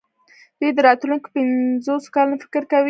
دوی د راتلونکو پنځوسو کلونو فکر کوي.